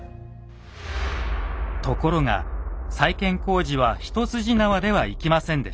ところが再建工事は一筋縄ではいきませんでした。